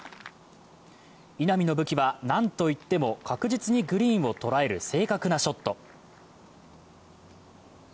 稲見の武器は、何といっても確実にグリーンを捉える確実なショット。